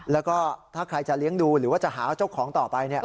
แล้วก็ถ้าใครจะเลี้ยงดูหรือว่าจะหาเจ้าของต่อไป